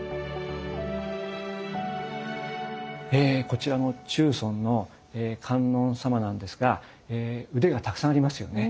こちらの中尊の観音様なんですが腕がたくさんありますよね。